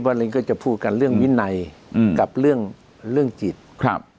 ลิงก็จะพูดกันเรื่องวินัยอืมกับเรื่องเรื่องจิตครับ